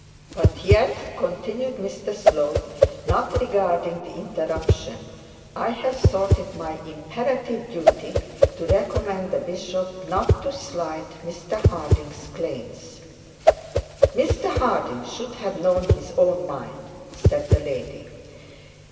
'But yet,' continued Mr Slope, not regarding the interruption, 'I have thought it my imperative duty to recommend to the bishop not to slight Mr Harding's claims.' 'Mr Harding should have known his own mind,' said the lady.